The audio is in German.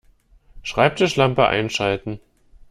Schreibtischlampe einschalten